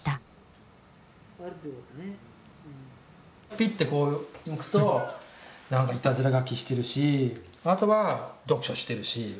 ぴってこう向くとなんかいたずら書きしてるしあとは読書してるし。